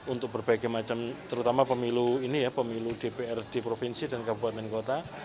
untuk berbagai macam terutama pemilu ini ya pemilu dprd provinsi dan kabupaten kota